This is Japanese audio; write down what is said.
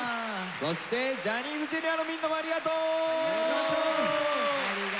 そしてジャニーズＪｒ．のみんなもありがとう！